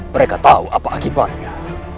mereka tahu apa akibatnya